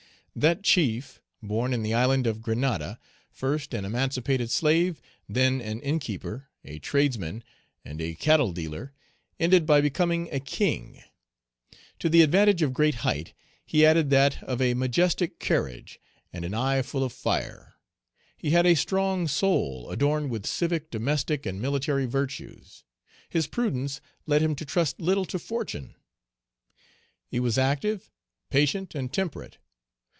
That chief, born in the island of Grenada, first an emancipated slave, then an innkeeper, a tradesman, and a cattle dealer, ended by becoming a king. To the advantage of great height Page 163 he added that of a majestic carriage and an eye full of fire. He had a strong soul, adorned with civic, domestic, and military virtues. His prudence led him to trust little to fortune. He was active, patient, and temperate.